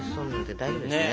大丈夫ですね？